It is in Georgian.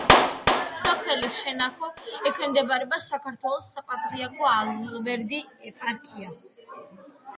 სოფელი შენაქო ექვემდებარება საქართველოს საპატრიარქოს ალავერდის ეპარქიას.